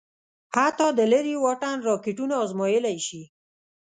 حتی د لېرې واټن راکېټونه ازمايلای شي.